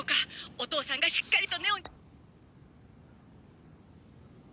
お父さんがしっかりと」